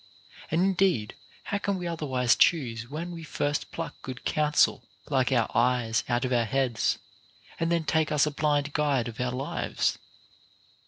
And indeed how can we * Soph. Oed. Tyr. 110. OF FORTUNE. 477 otherwise choose, when we first pluck good counsel like our eyes out of our heads, and then take us a blind guide of our lives